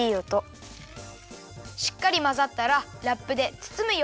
しっかりまざったらラップでつつむよ。